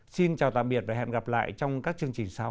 xin chào tạm biệt và hẹn gặp lại trong các chương trình sau